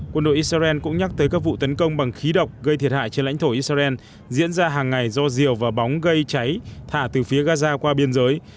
quân đội israel cũng nhắc tới các vụ tấn công bằng khí độc gây thiệt hại trên lãnh thổ israel diễn ra hàng ngày do rìu và bóng gây cháy thả từ phía gaza qua biên giới